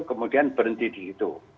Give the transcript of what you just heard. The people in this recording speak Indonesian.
kemudian berhenti di situ